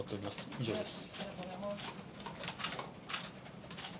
以上です。